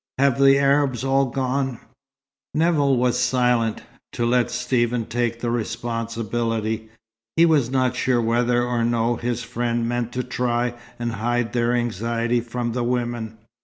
Have the Arabs all gone?" Nevill was silent, to let Stephen take the responsibility. He was not sure whether or no his friend meant to try and hide their anxiety from the women.